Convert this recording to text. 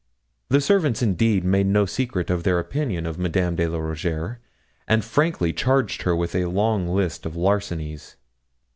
The servants, indeed, made no secret of their opinion of Madame de la Rougierre, and frankly charged her with a long list of larcenies.